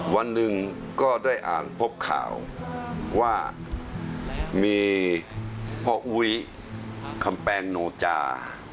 วันหนึ่งก็ได้อ่านพบข่าวว่ามีพ่ออุ๊ยคำแปงโนจา